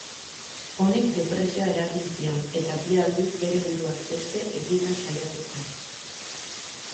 Honek depresioa eragin zion eta bi aldiz bere buruaz beste egiten saiatu zen.